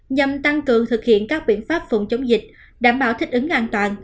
nhằm tăng cường thực hiện các biện pháp phòng chống dịch đảm bảo thích ứng an toàn